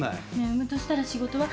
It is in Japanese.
産むとしたら仕事は？